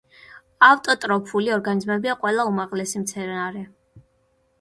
ავტოტროფული ორგანიზმებია ყველა უმაღლესი მცენარე.